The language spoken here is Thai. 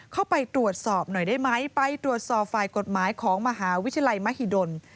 เข้าไปตรวจสอบหน่อยได้ไหมไปตรวจสอบฝ่ายกฎหมายของมหาวิทยาลัยมหิดล